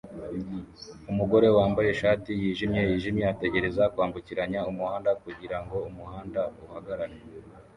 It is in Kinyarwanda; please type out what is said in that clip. Umugore wambaye ishati yijimye yijimye ategereza kwambukiranya umuhanda kugirango umuhanda uhagarare